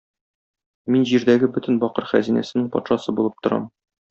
Мин җирдәге бөтен бакыр хәзинәсенең патшасы булып торам.